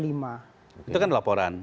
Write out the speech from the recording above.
itu kan laporan